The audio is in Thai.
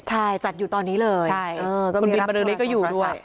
ใช่จัดอยู่ตอนนี้เลยต้องรับทรว฾สมภรรณาศาสตร์ค่ะคุณบริเนธก็อยู่ด้วย